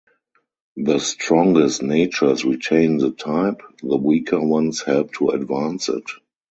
The strongest natures retain the type, the weaker ones help to advance it.